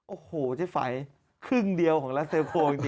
โอ้โหเจ๊ไฝครึ่งเดียวของรัสเซลโคจริง